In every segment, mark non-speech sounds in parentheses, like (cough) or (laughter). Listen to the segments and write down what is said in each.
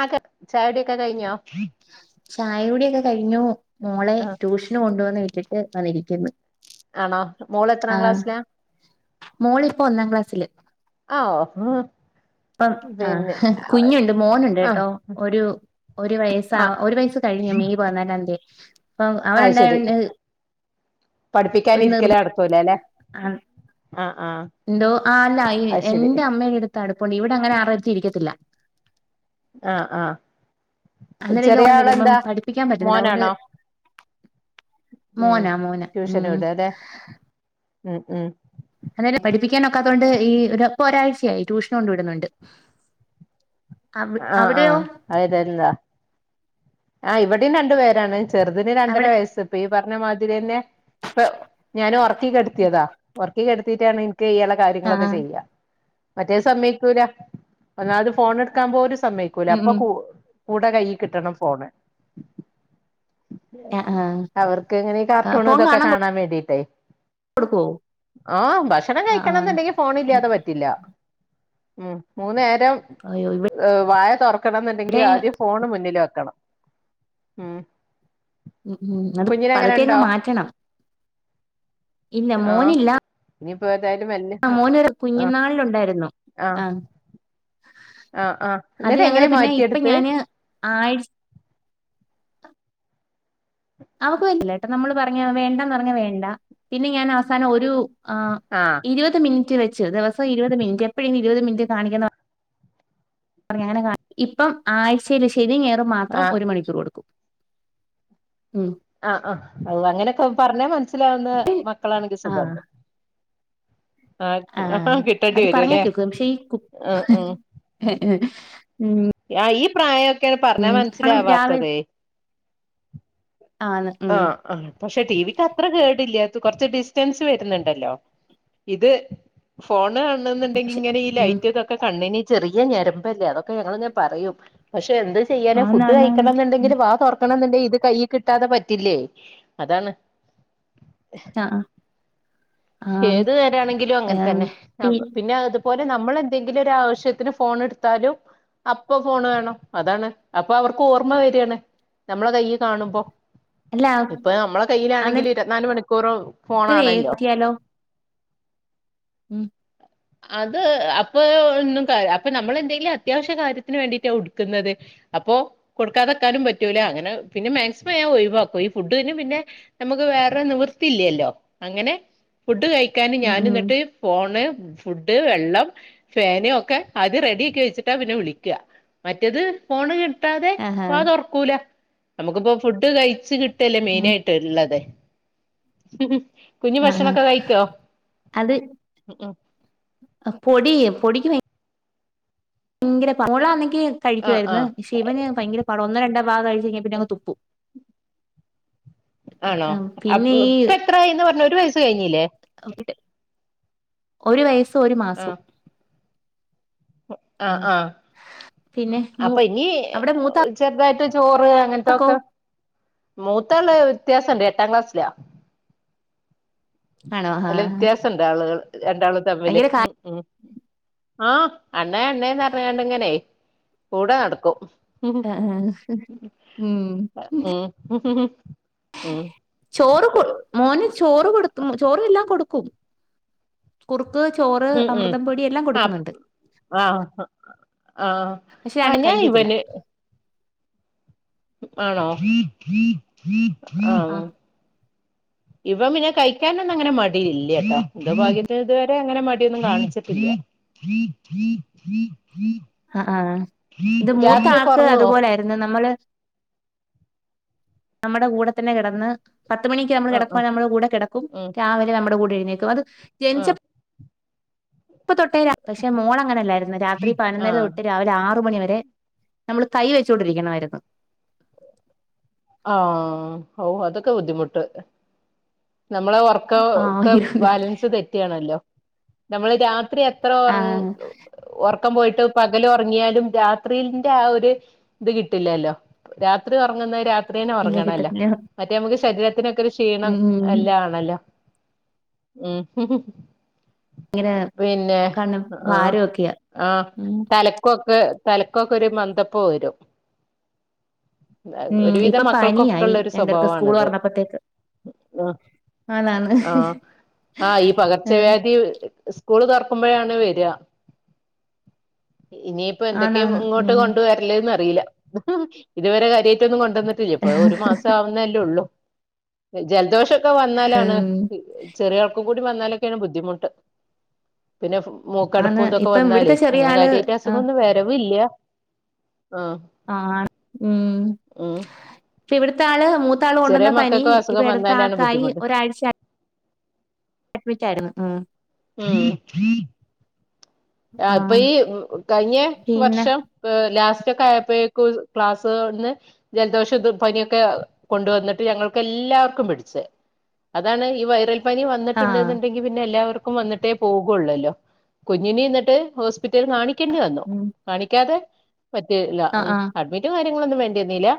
ആതെ ചടിയൊക്കെ കഴിഞ്ഞോ ചായ കുടിയൊക്കെ കഴിഞ്ഞു മോളെ ആ ട്യൂഷന് കൊണ്ടുവന്ന് വിട്ടിട്ട് വന്നിരിക്കുന്നു ആണോ മോള് എത്രാം ആഹ ക്ലാസ്സിലാ മോള് ഇപ്പൊ ഒന്നാം ക്ലാസ്സില് ആഹ ഉ ഇപ്പം ആഹ കുഞ്ഞുണ്ട് മോനുണ്ട് ആ കേട്ടോ ഒരു ഒരു വയസ ആ ഒരു വയസ്സ് കഴിഞ്ഞു മെയ് പോന്നാലതിയ ആഹ അത് ശരി അവനുണ്ടാകൊണ്ട് ഒരു നിർ നടക്കൂനല്ലെ ആഹ എന്തോ ആഹ അല്ല ഈ അത് ശരി എന്റെ അമ്മയുടെ അടുത്ത് അടുപ്പണ്ട് ഇവിടെ അങ്ങനെ ആരുടെ എടുത് ഇരിക്കത്തില്ല ആഹ ആഹ അന്നേരം ചെറിയ ലോകം വരുമ്പം ആളെന്താ പഠിപ്പിക്കാൻ പറ്റുന്നില്ല അതുകൊണ്ട് മോനാണോ ഉം മോനാ മോനാ ട്യൂഷന് ഉം വിടുവല്ലേ അതെ മ് മ് അതേല്ലെ പഠിപ്പിക്കാൻ ഒക്കാത്തതൊണ്ട് ഈപ്പ ഒരാഴ്ചയായി ട്യൂഷൻ കൊണ്ട് വിടുന്നുണ്ട് അവി ആഹ അവിടെയോ ആഹ് അയിതന്താ ആഹ ഇവിടെയും രുണ്ട് പേരാണ് ചെറുതിന് രണ്ടര അവിടെ വയസ്സ് ഇപ്പൊ ഈ പറഞ്ഞ മാതിരി തന്നെ ഇപ്പ ഞാൻ ഒർക്കി കെടുത്തിയതാ ഒർക്കി കെടത്തിട്ടാണ് ഇൻക്ക് ഈ എള ആ കാര്യങ്ങളൊക്കെ ചെയ്യ മറ്റേ സമ്മയ്ക്കൂല ഒന്നാമത് ഫോൺ എടുക്കാൻ പോലും സമ്മയ്ക്ക ക്കൂല ഉം അപ്പൊ ഉം കൂ കൂടെ കൈ കിട്ടണം ഫോണ് ആ ആ അവർക്ക് ഇങ്ങനെ കാർട്ടൂൺ ഇതൊക്കെ കാണാൻ വേണ്ടിട്ടേ കൊടുക്കുവോ ആഹ് ഭക്ഷണം ആഹ് കഴിക്കണംന്ന്ണ്ടങ്കി ഫോണില്ലാതെ പറ്റില്ല ഉം മൂന്നേരം അയ്യോ വായ തൊറക്കണം എന്നുണ്ടെങ്കി ഇവിടെ ആദ്യം ഫോണ് മുന്നിൽ വെക്കണം ഉം ഉം ഉം അത് കുഞ്ഞിന് അങ്ങനെ പതുക്കെ അങ്ങ് ഉണ്ടോ മാറ്റണം ഇല്ല മോനില്ല ഇനി പേതായാലും മെല്ലെ ആ മോനൊരു കുഞ്ഞുനാളിലുണ്ടായിരുന്നു ആഹ് ആഹ് ആഹ് അത് എന്നിട്ട് ഞങ്ങള് എങ്ങനെ പിന്നെ ഇപ്പ മാറ്റിയെടുത്ത് ഞാന് ആഴ് അവക്ക വല്ല ട്ടോ നമ്മള് പറഞ്ഞ വേണ്ടന്ന് പറഞ്ഞ വേണ്ട പിന്നെ ഞാൻ അവസാനം ഒരു ആ ആഹ് ഇരുപത് മിനിറ്റ് വെച്ച് ദിവസം ഇരുപത് മിനിറ്റ് എപ്പഴും ഇരുപത് മിനിറ്റ് കാണിക്ക പറഞ്ഞ അങ്ങനെ കാ ഇപ്പം ആഴ്ചയില് ശനി ഞായറും മാത്രം ആഹ് ഒരു മണിക്കൂർ കൊടുക്കും ഉം ആഹ് ആഹ് അങ്ങനെക്കെ പറഞ്ഞാ മനസ്സിലാവുന്ന മക്കളാണെങ്കി ആഹ് സുഖാട്ടൊ ആഹ് കിട്ടേണ്ടി അത് വരും പറഞ്ഞാ അല്ലേ കേക്കും പക്ഷേ ഈ ആഹ് ഉം ആഹ് ഈ പ്രായൊക്കേണ് പർഞ്ഞ കാരണം രാവിലെ മനസ്സിലാവാത്തത് ആണ് ഉം ആഹ് ആഹ് പക്ഷെ ടി വിക്ക് അത്ര കേടില്ല ഇത് കുറച്ച് ഡിസ്റ്റൻസ് വരുന്നുണ്ടല്ലോ ഇത് ഫോൺ കാണ എന്നുണ്ടെങ്കിൽ പക്ഷെ ഇങ്ങനെ ഈ ഉം ലൈറ്റ്ക്ക ഒക്കെ കണ്ണ്ന് ചെറിയ ഞരമ്പല്ലേ അതൊക്കെ ഞങ്ങള് ങ്ങനെ പറയും പക്ഷെ എന്ത് ചെയ്യാന ഫുഡ് ആന്നാന്നാന്ന് ഉം കഴിക്കണംന്നുണ്ടെങ്കില് വാ തുറക്കണംന്നുണ്ടങ്കി ഇത് കയ് കിട്ടാതെ പ ത്തില്ലേ അതാണ് ആഹ് ആഹ് ഏത് നേരാണെങ്കിലും അങ്ങൻ ആഹ് തന്നെ പി പിന്നെത് പ്പോലെ നമ്മൾ എന്തെങ്കിലും ഒരു ആവശ്യത്തിന് ഫോൺ എട്ത്താലും- അപ്പൊ ഫോൺ വേണം അതാണ് അപ്പൊ അവർക്ക് ഓർമ്മ വര്യാണ് നമ്മളെ കൈയ്യി കാണുമ്പോ അല്ല ഇപ്പ നമ്മള കയ്യിലാണെങ്കിൽ ഇരുവന്നാല് മണിക്കൂറു ഇത് വേത്തിയാലോ ഉം അത് അപ്പൊ ഒന്നും അപ്പൊ നമ്മൾ എന്തെങ്കിലും അത്യാവശ്യ കാര്യത്തിന് വേണ്ടിട്ടാ ഉടുക്കുന്നത് അപ്പൊ കൊടുക്കാതക്കാനും പറ്റൂല അങ്ങനെ പിന്നെ മാക്സിമം ഞാൻ ഒഴിവാ ഈ ഫുഡ്ന് പിന്നെ നമുക്ക് വേറെ നിവൃത്തിയില്ലല്ലോ അങ്ങനെ ഫുഡ് കഴിക്കാന് ഉം ഞാൻ ഉം ന്നട്ട് ഫോണ് ഫുഡ് വെള്ളം ഫാന് ഒക്കെ ആദ്യ റെഡി ആക്കി വെച്ചിട്ടാ പിന്നെ വിളിക്കാ മറ്റത് ഫോണ് കിട്ടാതെ ആഹാ വാ തൊർക്കൂല നമുക്കിപ്പോ ഫുഡ് കഴിച്ച കിട്ട ട്ടല്ലേ ഉം മെയിനായിട്ട് ഇള്ളതെ കുഞ്ഞു ആഹ് ആഹ് ഭക്ഷണോക്കെ കഴിക്കോ അത് ഉം ഉം പൊടി പൊടിക്ക് ഭയങ്കര പള മോളാന്നെങ്കി ആഹ് കഴിക്കുവായിരുന്നു ആഹ് പഷെ ഇവന് ഭയങ്കര പട ഒന്നോ രണ്ടോ ഭാഗം കഴിച്ചഴിഞ്ഞാ പിന്ന അങ്ങ് തുപ്പു ആ പിന്നെ ഈ എന്ന് പറഞ്ഞ ഒരു വയസ് കഴിഞ്ഞില്ലേ ഒരു വയസ്സും ഒരു മാസും ആഹ് ആഹ് ആഹ് പിന്നെ മൂ അപ്പൊ ഇനി അവിടെ മൂത്താക്കോ ചെർതായിട്ട് ചോറ് അങ്ങൻത്തെക്കെ മൂത്താള് വ്യത്യാസണ്ട് എട്ടാം ക്ലാസ്സിലാ ആണോ നല്ല ആഹ് വ്യത്യാസണ്ട് ആളുകൾ രണ്ടാള് തമ്മില് ഭയങ്കര കാ ഉം ഉം ആഹ് അണ്ണേ അണ്ണേന്ന് പറഞ്ഞിങ്ങാണ്ടിങ്ങനെ കൂടെ നടക്കും ഉം ആഹ് ആഹ് ഉം ഉം ഉം ചോറ് കൊ മോന് ചോറ് കൊടുത്തും ചോറ് ല്ലാം കൊടുക്കും. കുറുക്ക് ചോറ് ഉം ഉം അമൃതം പൊടി എല്ലാം ആഹ് കൊടുക്കുന്നുണ്ട്. ആഹ് ആഹ്. പക്ഷെ ആണ് ആഹ് ഞാൻ കഴിക്കത്തില്ല. ഇവന് ആണോ ആഹ്. ആഹ്. ഇവൻ പിന്നെ കഴിക്കാനൊന്നും അങ്ങനെ മടിയില്ല്യാട്ടോ എന്തോ ഭാഗ്യത്തിന് ഇതുവരെ അങ്ങനെ മടിയൊന്നു കാണിച്ചട്ടില്ലാ. ആഹ് ആഹ് ഇത് മൂത്ത ആക്ക് ഉറങ്ങുവോ അതുപോലെ ആരുന്നു. നമ്മള് നമ്മടെ കൂടെ തന്നെ കിടന്ന് പത്തുമണിക്ക് നമ്മൾ ആഹ് ആഹ് കിടക്കുവാണെ നമ്മുടെ കൂടെ കിടക്കും ഉം രാവിലെ നമ്മുടെ കൂടെ എഴുന്നേക്കും അത് ജനിച്ച ആഹ് പ്പൊ തൊട്ടേ പക്ഷെ മോള് അങ്ങനെയല്ലായിരുന്നു രാത്രി പതിനൊര ആഹ് തൊട്ട് രാവിലെ ആറു മണി വരെ നമ്മള് കൈ വെച്ചുകൊണ്ടിരിക്കണമായിരുന്നു. ആഹ് ഓഹ് അതൊക്കെ ബുദ്ധിമുട്ട് നമ്മളെ ഓർ ക്കം ഒക്കെ ആഹ് ബാലൻസ് തെറ്റിയണല്ലോ നമ്മള് രാത്രി എത്ര ഉറ ആഹ് ഉറക്കം പോയിട്ട് പകൽ ഉറങ്ങിയാലും രാത്രിന്റെ ആഹ് ഒരു ഇത് കിട്ടില്ലല്ലോ രാത്രി ഉറങ്ങുന്നത് രാത് ത്രി തന്നെ ഇല്ല ഉറങ്ങണല്ലോ കിട്ടത്തില്ല മറ്റേ നമുക്ക് ശരീരത്തിനൊക്കെ ഒരു ക്ഷീണം ഉം എല്ലാ ആണല്ലോ ഉം. പിന്നെ കണ്ണ് ആഹ് ഭാരമൊക്കെയാ ആഹ് ഉം തലക്കൊക്കെ തലക്കൊക്കെ ഒരു മന്ദപ്പ് വരും. (unintelligible) ഉം ഇപ്പൊ മക്കൾക്കൊക്കെ പനിയായി ഉള്ള ഒരു രണ്ടു പേർക്കും സ്കൂൾ സ്വഭാവമാണിത് തുറന്നപ്പത്തേക്ക് ആഹ് ആന്ന് ആന്ന്. ആഹ് ആഹ് ഈ പകർച്ചവ്യാധിയും സ്കൂള് തുറക്കുമ്പോഴാണ് വര്യാ ഇനി ഇപ്പ എന്തൊക്കെയാ ആന്നാന്ന് ഇങ്ങോട്ട് ഉം കൊണ്ടുവരല്ലേന്ന് അറിയില്ല ഇതുവരെ കാര്യമായിട്ട ഒന്നു കൊണ്ട് വന്നില്ല ഇപ്പ ഒരു മാസം ആവുന്നല്ലേ ഉള്ളൂ ജലദോഷം ക്കെ വന്നാലാണ് ഉം ചെറിയ ആൾക്ക് കൂടി വന്നാലൊക്കെയാണ് ബുദ്ധിമുട്ട് പിന്നെ ആണ് മൂക്കടപ്പും ഇതൊക്കെ ഇപ്പം വന്നാലേ ഇവിടുത്തെ ചെറിയ അങ്ങനെ ആള് കാര്യമായിട്ട് ആഹ് അസുഖഒന്നും വരവില്ല. ആഹ്. ആ ഹ് ആണ് ഉം. ഉം. ഇപ്പം ഇവിടത്തെ ആള് മൂത്താള് ചെറിയ കൊണ്ടുവന്ന പനി മക്കൾക്കും ഇപ്പ അസുഖം അടുത്ത വന്നാലാണ് ആൾക്കായി ബുദ്ധിമുട്ട് ഒരാഴ്ച അഡ്മിറ്റായിരുന്നു ഉം. ആഹ്. ആഹ് ഇപ്പൊ ഈ കഴിഞ്ഞ പിന്നെ വർഷം. ലാസ്റ്റ് ഒക്കെ ആയപ്പോക്കും ക്ലാസ് ഒന്ന്. ജലദോഷം പനിയൊക്കെ കൊണ്ടുവന്നിട്ട് ഞങ്ങൾക്ക് എല്ലാവർക്കും പിടിച്ച്. അതാണ് ഈ വൈറൽ പനി ആഹ് വന്നിട്ടുണ്ടന്നുണ്ടെങ്കി പിന്നെ എല്ലാവർക്കും വന്നിട്ടേ പോകുള്ളല്ലോ കുഞ്ഞി യെന്നിട്ട് ട്ട് ഹോസ്പിറ്റലിൽ കാണിക്കേണ്ടി വന്നു ഉം കാണാതെ പറ്റില്ല ആഹ് ആഹ് അഡ്മിറ്റ് റ്റ് കാര്യങ്ങളൊന്നും വേണ്ടിവന്നില്ല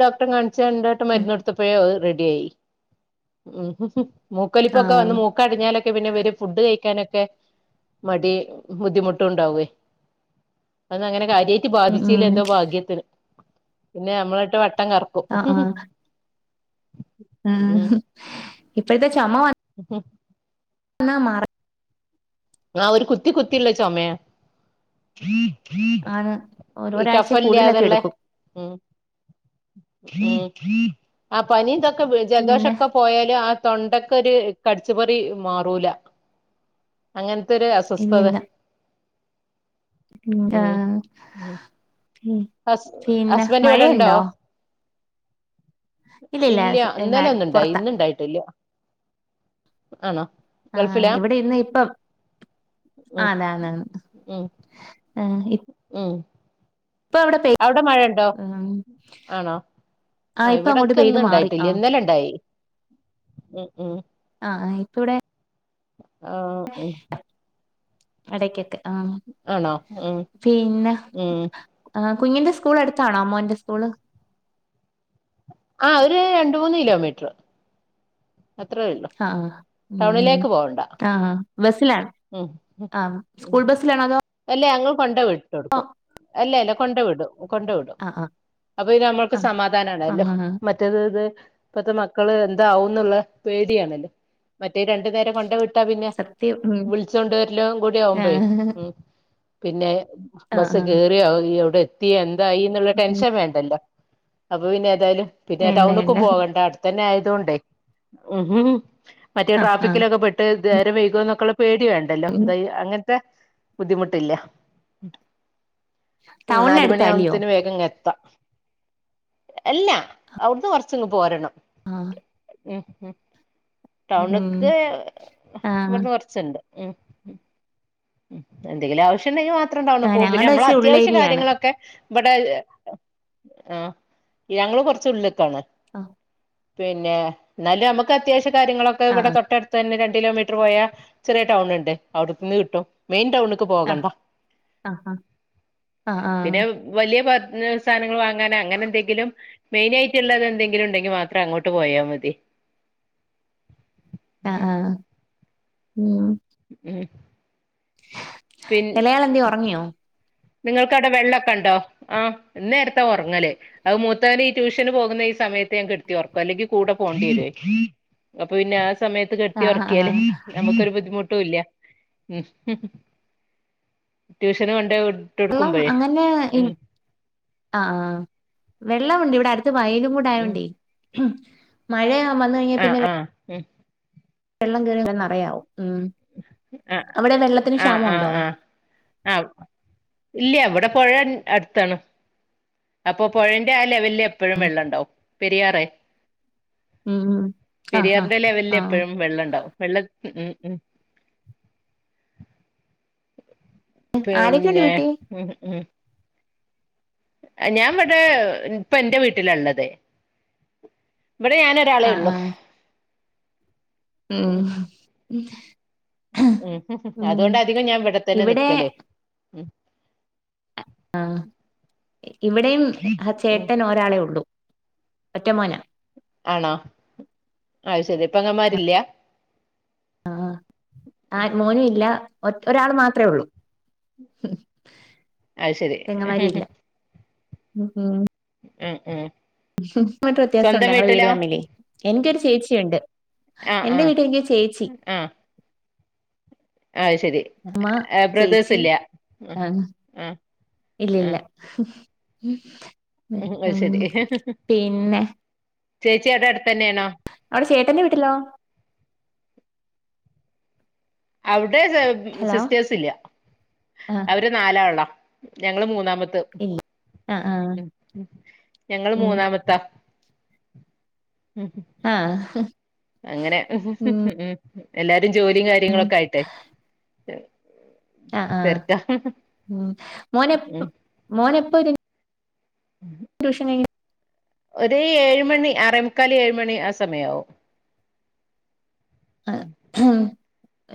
ഡോക്ടറെ കാണിച്ച രണ്ടു വട്ടം ഉം മരുന്ന് കൊടു ത്തപ്പേഴെ റെഡി ആയി ഉം മൂക്കലിപ്പൊക്കെ ആഹ് വന്ന് മൂ അടിഞ്ഞാലൊക്കെ പിന്നെ ഇവര് ഫുഡ് കഴിക്കാനൊക്കെ മടി ബുദ്ധിമുട്ട് ഉണ്ടാവേ അന്ന് അങ്ങനെ കാര്യമായിട്ട് ഉം ബാധിച്ചില്ല ഉം എന്തോ ഭാഗ്യത്തിന്. പിന്നെ നമ്മളെയിട്ട് വട്ടം കറക്കും. ആഹ് ആഹ് ഉം ഇപ്പഴത്തെ ചോമ വന്നാ ഉം. മാറ ആഹ് ഒരു കുത്തി കുത്തിയുള്ള ചുമയാ. ആണ് ഒരു- ഈ ഒരാഴ്ച കൂടുതലൊക്കെ കഫല്യായാതെളെള. എടുക്കും ഉം ഉം. ആ പനി ഇതൊക്കെപോയി പിന്നെ ജലദോഷൊക്കെ പോയാലും ആഹ് തൊണ്ടക്കൊരു കടിച്ചുപറി മാറൂല. അങ്ങനെത്തൊരു അസ്വസ്ഥത. എന്താ ഉം ഉം ഉം ഹസ് പിന്നെ മഴയുണ്ടോ ഇല്ലില്ല ഇല്ല്യാ സ്- ന- ഇന്നല ഒന്ന്ണ്ടായി പുറത്താ ഇന്ന്ണ്ടായിട്ടല്ല ആണോ ആഹ് ഗൾഫിലാ ഇവിടെ ഇന്ന് ഇപ്പം ഉം ആതന്നന്ന് ഉം ആഹ് ഇ ഉം അവിടെ മഴ ഉണ്ടോ ഉം ആണോ ആഹ് ഇപ്പൊ അങ്ങോട്ട് പെയ്ത് ഇവിടൊക്കെന്ന് മാറി ആഹ് ഇണ്ടായിട്ടില്ല ഇ ആഹ് ഇപ്പവ്ടെ ആ ഉം ഇടക്കൊക്കെ ആഹ് ആണോ ഉം പിന്നെ ഉം ആഹ് കുഞ്ഞിന്റെ സ്കൂൾ എടുത്താണോ മോന്റെ സ്കൂള് ആഹ് ഒരു രണ്ട് മൂന്ന് കിലോമീറ്റർ അത്രേ ഉള്ളൂ ആഹ് ഉം ടൗണിലേക്ക് പോവണ്ട ആഹ് ബസ്സിലാണ് ഉം ആഹ് ഉം സ്കൂൾ ബസ്സിലാണോ അതോ അല്ല ഞങ്ങൾ കൊണ്ടേ വിട്ട് കൊടുക്കും അല്ലല്ല കൊണ്ടേ വിടും കൊണ്ടെ വിടും ആഹ് ആഹ് അപ്പൊ ഇത് നമ്മൾക്ക് ആഹ് സമാധാനാണല്ലോ ആഹ് ആഹ് മ മറ്റത് ഇത് ഇപ്പത്തെ മക്കള് എന്താവന്നുള്ള പേടിയണല്ലേ മറ്റേ രണ്ടു നേരം കൊണ്ടെ വി ട്ട പിന്നെ സത്യം ഉം വിളിച്ച് കൊണ്ട് വരലും കൂടി ആവുമ്പഴ് ആഹ് ഉം പിന്നെ ആഹ് ബസ് ആഹ് കേറിയോ അയോ അവിടെ എത്തിയൊ എന്തായി എന്നുള്ള ടെൻഷൻ വേണ്ടല്ലോ അപ്പൊ പിന്നെഎതായാലും പിന്നെ വേണ്ട വേണ്ട ടൗണ്ക്കും പോകണ്ട തന്നെ ആയതൊണ്ടേ ഉം മറ്റേ ആഹ് ആഹ് ട്രാഫിക്കിലൊക്കെ പെട്ട് ദേരം വൈകോ എന്നൊക്കെള്ള പേടി വേണ്ടല്ലോ എന്തയി അങ്ങനത്തെ ബുദ്ധിമുട്ടില്ല ടൗണിനടുത്താല്ലയോ നാലുമണിയാവുമ്പത്തിന് വേഗം ഇങ്ങെത്താം അല്ല അവിടുന്ന് കുറച്ചിങ്ങ് പോരണം ആഹ് ഉം ഉം ഉം ടൗണ്ക്ക് ആഹ് ഇവട്ന്ന് കുറച്ചുണ്ട് ഉം ഉം എന്തെങ്കിലും ആവശ്യംണ്ടെങ്കിൽ മാത്രം ടൗണില് ആഹ് പോവും പിന്നെ ഞങ്ങളുടെ നമ്മള ഇച്ചിരി അത്യാവശ്യ ഉള്ളേരിയാണ് കാര്യങ്ങളൊക്കെ ഇബടെ ആഹ് ഞങ്ങള് കൊറച്ചുള്ള്ക്കാണ് ആഹ് പിന്നെ ഇന്നാലും നമുക്ക് അത്യാവശ്യ കാര്യങ്ങളൊക്കെ ഇവിടെ ആഹ് തൊട്ടടു തന്നെ രണ്ട് കിലോമീറ്റർ പോയാ ചെറിയ ടൗണണ്ട് അവിടുന്ന് കിട്ടും മെയിൻ ടൗണക്ക് ആഹ് പോകണ്ട ആഹ് ആഹ് പിന്നെ ആഹ് വലിയ പാ സാനങ്ങൾ വാങ്ങാന അങ്ങനെ എന്തെങ്കിലും മെയിൻ ആയിട്ടുള്ളത് എന്തെങ്കിലും ഉണ്ടെങ്കി മാത്രം അങ്ങോട്ട് പോയാ മതി അഹ് ഉം ആഹ് ഉം ഉം എളെ ആളെന്തിയേ ഉറങ്ങിയോ നിങ്ങൾക്കടെ വെള്ളൊക്കെ ഉണ്ടോ ആഹ് ഇന്നേരത്ത ഒറങ്ങല് അത് മൂത്തവന് ഈ ട്യൂഷന് പോകുന്ന ഈ സമയത്ത് ഞാൻ കെടുത്തി ഉറക്കും അല്ലെങ്കി കൂടെ പോണ്ടി വരൂ അപ്പൊ പിന്നെ ആഹ് സമയത്ത് കെടത്തി ആഹ് ആഹ് ഒറക്കിയാല് ആഹ് നമ്മുക്കരു ബുദ്ധിമുട്ടുംല്ല (unintelligible) ട്യൂഷന് പോണ്ട് ള്ളം അങ്ങന്നെഇൽ ആഹ് ആഹ് വെള്ളമുണ്ട് ഇവിടെ അടുത്ത് വയലും കൂടെ ഉം ആയോണ്ടേ ഉം മഴയാ ആഹ് ആഹ് ഉം വെള്ളം കേറി നറയാവോ ഉം അഹ് അവിടെ വെള്ളത്തിന് ക്ഷാമുണ്ടോ ആഹ് ഇല്ല ഇവിടെ പുഴ അടുത്താണ് അപ്പൊ പുഴന്റെ ആഹ് ലെവല്ല് എപ്പോഴും വെള്ളം ഉണ്ടാവും പെരിയാറെ ഉം ഉം ആഹ് ആഹ് പെരിയാറിന്റെ ലെവലിൽ ആഹ് എപ്പോഴും വെള്ളണ്ടാവും വെള്ളം ഉം ഉം ആരൊക്കെയുണ്ട് പിന്നെ വീട്ടിൽ (unintelligible) ഞാൻ ഇവിടെ ഇപ്പ എന്റെ വീട്ടിലാള്ളത് ഇവിടെ ഞാൻ ആഹ് ആളേള്ളു ആഹ് ഉം ഉം ഉം അതുകൊണ്ട് അധികം ഞാൻ ഇവിടെ തന്നെ നിക്കല് ആഹ് ഇവിടെയും അഹ് ഉം ചേട്ടൻ ഒരാളെ ഉള്ളൂ ഒറ്റമോന ആണോ ആത് ശരി പെങ്ങമാരില്ല ആഹ് ആഹ് മോൻ ഇല്ല ഒ ഒരാൾ മാത്രമേ ഉള്ളൂ അത് ശരി പെങ്ങമാരില്ല ഉം ഉം ഉം ഉം മീറ്റർ വ്യത്യാസുണ്ട് സ്വന്തം ഞങ്ങൾ വീട് വീട്ടിലോ തമ്മില് എനിക്കൊരു ചേച്ചിയുണ്ട് ആഹ് എന്റെ ആഹ് വീട്ടിലെങ്കിൽ ചേച്ചി ആഹ് ആഹ് ശരി അമ്മ ബ്രദേഴ്സ് ചേച്ചി ഇല്ല ആഹ് ആഹ് ആഹ് അത് ശരി അഹ് പിന്നെ ചേച്ചിയടെ അടുത്തന്നെയാണോ അവിടെ ചേട്ടന്റെ വീട്ടിലോ അവിടെ ഹലോ സിസ്റ്റേഴ്സ് ഇല്ല ആഹ് അവര് നാലാളാ ഞങ്ങള് മൂന്നാമത്തത് ഇല്ല ആഹ് ആഹ് ഉം ഞങ്ങൾ ഉം മൂന്നാമത്താ ഉം ആഹ് അങ്ങനെ എല്ലാരും ജോലിയും കാര്യങ്ങളൊക്കായിട്ടെ ആഹ് ആഹ് ഉം മോനെപ്പ ഉം മോനെപ്പരും (inaudible) ട്യൂഷൻ കഴിഞ്ഞ് ഒര് ഏഴ് മണി ആറമുക്കാല് ഏഴ് മണി ആഹ് സമയാവും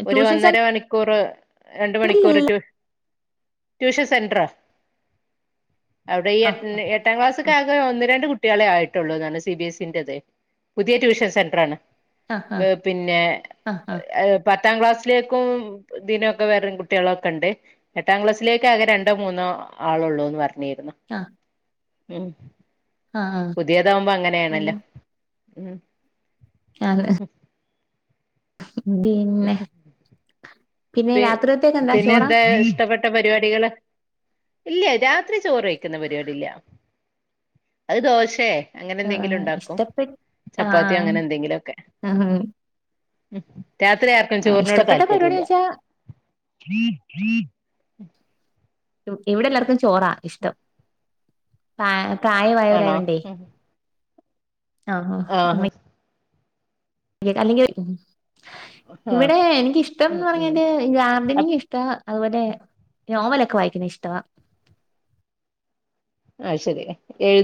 ഒരു ട്യൂഷൻ ഒന്നര സെൻ മണിക്കൂർ രണ്ട് മണിക്കൂർ റ്റു ട്യൂഷൻ സെന്ററാ അവിടെ ഈ എ ആഹ് എട്ടാം ക്ലാസ്സക്കാകെ ഒന്ന് രണ്ട് കുട്ടികളെ ആയിട്ടുള്ളൂന്നാണ് സി ബി എസ് ന്റേത് പുതിയ ട്യൂഷൻ സെന്ററാണ് ആഹ് ആഹ് പിന്നെ ആഹ് ആഹ് പത്താംക്ലാസ്സിലേക്കും ദിനൊക്കെ വേറെ കുട്ടികളൊക്കെ ഉണ്ട് എട്ടാക്ലാസ്സിലേക്ക് ആകെ രണ്ടോ മൂന്നോ ആളോള്ളൂ എന്ന് പറഞ്ഞിരുന്നു ആഹ് ഉം ആഹ് ആഹ് പുതിയതാകുമ്പോ ഉം അങ്ങനെയാണല്ലോ ഉം ബിന്നെ പി പിന്നെന്താ ഇഷ്ടപെട്ട ട്ട പരിപാടികള് ഇല്ല രാത്രി ചോറ് വെക്ക്ന്ന പരിപാടി ഇല്ല അത് ദോശയെ അങ്ങനെ എന്തെങ്കിലും ആഹ് ഉണ്ടാക്കും ഇഷ്ടപ്പെട്ട് ചപ്പാത്തിയോ ആഹ് അങ്ങനെ എന്തെങ്കിലോക്കെ ആഹ് ഉം രാത്രി ആർക്കും ആഹ് ചോറിനോട് ഇഷ്ടപ്പെട്ട പരിപാടി താല്പര്യല്ല വെച്ചാ ഇവിടെല്ലാർക്കും ചോറാ ഇഷ്ടം ആണോ പ്രായമായവരായോണ്ടേ അമ്മ ആഹ് അല്ലെങ്കിൽ ആഹ് ഇവിടെ എനിക്കിഷ്ടംന്ന് ഉം ഉം പറഞ്ഞാല് (unintelligible) ഇഷ്ട അതുപോലെ നോവലക്കെ വായിക്കണ ഇഷ്ട അഹ് ശരി എഴു